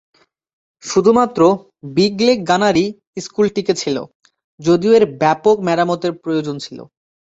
শুধুমাত্র Big Lake Gunnery School টিকে ছিল, যদিও এর ব্যাপক মেরামতের প্রয়োজন ছিল।